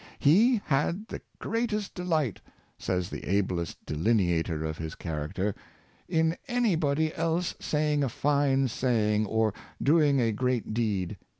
'*He had the great est delight," says the ablest delineater of his character, " in anybody else saying a fine saying, or doing a great deed.